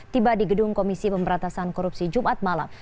tiba di gedung komisi pemberantasan korupsi jumat malam